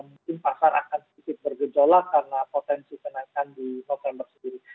mungkin pasar akan sedikit bergejolak karena potensi kenaikan di november sendiri